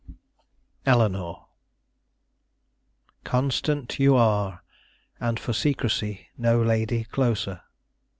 XII. ELEANORE. "Constant you are ... And for secrecy No lady closer."